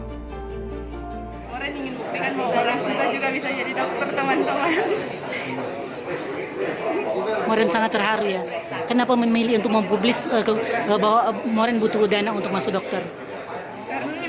moren ingin buktikan bahwa orang susah juga bisa jadi dokter teman teman